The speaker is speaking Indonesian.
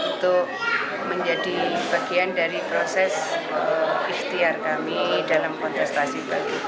untuk menjadi bagian dari proses ikhtiar kami dalam kontestasi